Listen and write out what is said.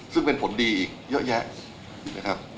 ซึ่งเป็นผลดีอีกเยอะแยะนะครับ